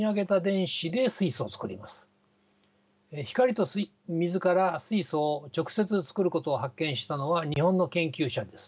光と水から水素を直接作ることを発見したのは日本の研究者です。